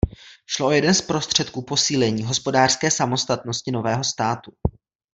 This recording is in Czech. Šlo o jeden z prostředků posílení hospodářské samostatnosti nového státu.